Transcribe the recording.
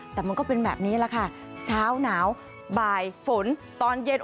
แต่มันก็เป็นแบบนี้แหละค่ะเช้าหนาวบ่ายฝนตอนเย็น